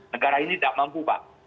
negara ini tidak mampu pak